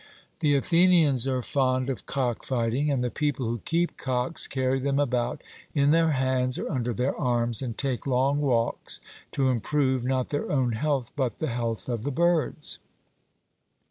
The Athenians are fond of cock fighting, and the people who keep cocks carry them about in their hands or under their arms, and take long walks, to improve, not their own health, but the health of the birds.